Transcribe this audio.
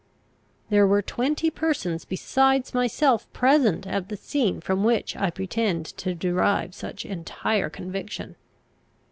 There were twenty persons besides myself present at the scene from which I pretend to derive such entire conviction.